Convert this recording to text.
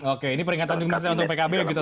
oke ini peringatan jumnasnya untuk pkb gitu